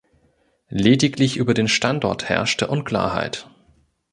Lediglich über den Standort herrschte Unklarheit.